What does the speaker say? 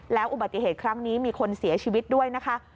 แล้วอุบัติเหตุครั้งนี้มีคนเสียชีวิตด้วยนะคะ